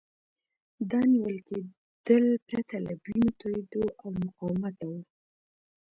دا نیول کېدل پرته له وینو توېیدو او مقاومته وو.